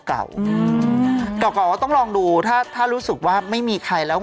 เก่าก็ต้องลองดูถ้ารู้สึกว่าไม่มีใครแล้ว